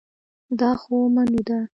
دا خو منو ده